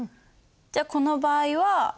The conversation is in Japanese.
じゃあこの場合は。